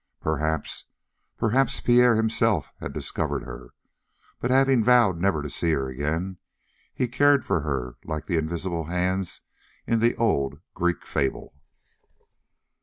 Perhaps perhaps Pierre himself had discovered her, but having vowed never to see her again, he cared for her like the invisible hands in the old Greek fable.